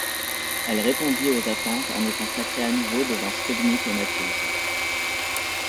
Elle répondit aux attentes en étant sacrée à nouveau devant Stubnick et Mathews.